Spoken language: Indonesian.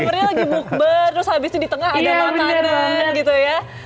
umurnya lagi bukber terus habis itu di tengah ada makanan gitu ya